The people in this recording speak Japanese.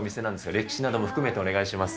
歴史なども含めてお願いします。